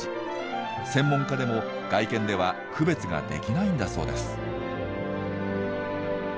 専門家でも外見では区別ができないんだそうです。